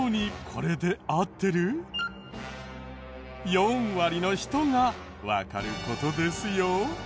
４割の人がわかる事ですよ。